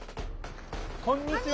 こんにちは！